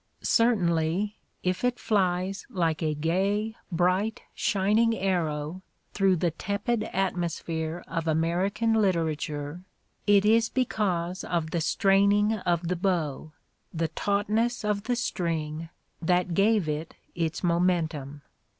Certainly, if it flies like a gay, bright, shining arrow through the tepid atmosphere of American literature, it is because of the straining of the bow, the tautness of the string, that gave it its momentum.